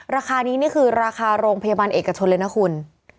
ราคานี้นี่คือราคาโรงพยาบาลเอกชนเลยนะคุณ